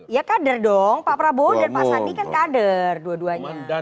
ya kader dong pak prabowo dan pak sandi kan kader dua duanya